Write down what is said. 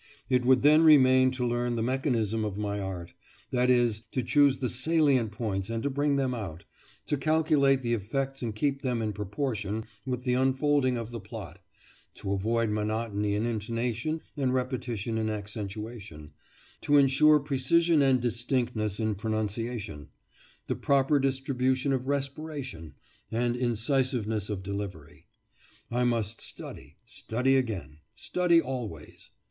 It would then remain to learn the mechanism of my art; that is, to choose the salient points and to bring them out, to calculate the effects and keep them in proportion with the unfolding of the plot, to avoid monotony in intonation and repetition in accentuation, to insure precision and distinctness in pronunciation, the proper distribution of respiration, and incisiveness of delivery. I must study; study again; study always.